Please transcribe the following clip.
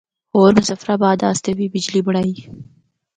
ہور مظفرآباد اسطے بھی بجلی بنڑائی۔